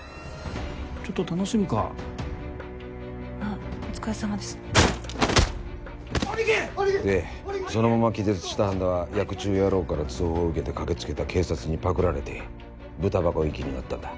ちょっと楽しあっお疲れさまですガン！でそのまま気絶した般田はヤク中野郎から通報を受けて駆けつけた警察にパクられてブタ箱行きになったんだ。